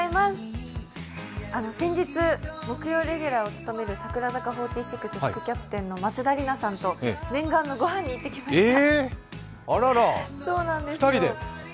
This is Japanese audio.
先日、木曜レギュラーを務める櫻坂４６副キャプテンの松田里奈さんと念願の御飯に行ってきました。